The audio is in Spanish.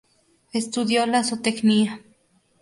Estudió la zootecnia.